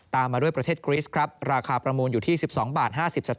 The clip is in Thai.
ตามมาด้วยประเทศกรีสราคาประมูลอยู่ที่๑๒๕๐บาท